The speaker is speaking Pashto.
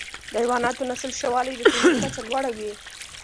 د حیواناتو نسل ښه والی د تولید کچه لوړه وي.